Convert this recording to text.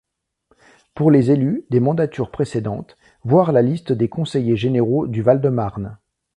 Pour les élus des mandatures précédentes, voir la liste des conseillers généraux du Val-de-Marne.